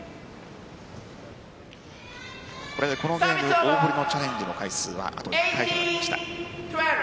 これで、このゲーム大堀のチャレンジの回数はあと１回になりました。